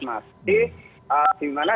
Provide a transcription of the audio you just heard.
mas di mana